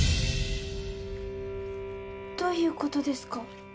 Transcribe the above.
どういう事ですか？